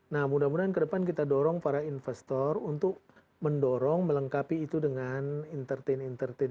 nah mudah mudahan ke depan kita dorong para investor untuk mendorong melengkapi itu dengan entertain entertain